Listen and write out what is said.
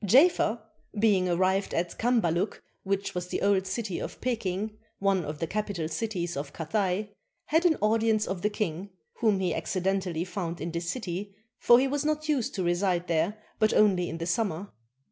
Jafer, being arrived at Cambaluc which was the old city of Peking, one of the capital cities of Cathay, had an audience of the king, whom he accidentally found in this city, for he was not used to reside there but only in the summer.